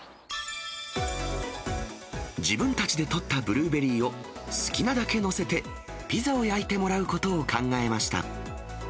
自分たちで取ったブルーベリーを好きなだけ載せて、ピザを焼いてもらうことを考えました。